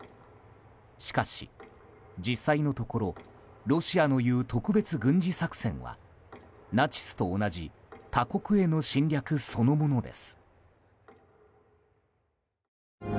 しかし、実際のところロシアの言う特別軍事作戦はナチスと同じ他国への侵略そのものです。